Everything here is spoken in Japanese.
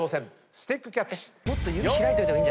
スティックキャッチよーい。